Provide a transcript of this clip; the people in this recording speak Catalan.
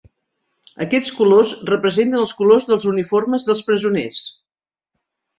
Aquests colors representen els colors dels uniformes dels presoners.